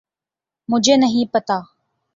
مجھے نہیں پتہ۔